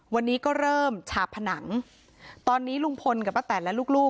วันนี้ก็เริ่มฉาบผนังตอนนี้ลุงพลกับป้าแตนและลูกลูก